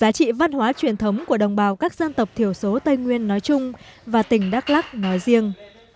giá trị văn hóa truyền thống của đồng bào các dân tộc thiểu số tây nguyên nói chung và tỉnh đắk lắc nói riêng